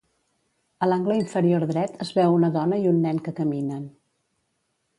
A l'angle inferior dret es veu una dona i un nen que caminen.